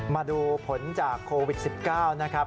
มาดูผลจากโควิด๑๙นะครับ